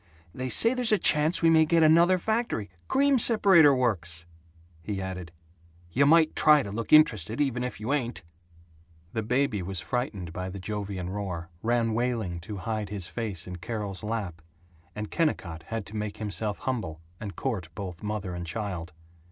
They say there's a chance we may get another factory cream separator works!" he added, "You might try to look interested, even if you ain't!" The baby was frightened by the Jovian roar; ran wailing to hide his face in Carol's lap; and Kennicott had to make himself humble and court both mother and child.